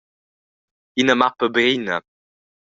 Ina mappa brina!